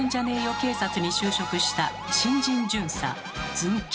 警察」に就職した新人巡査ズン吉。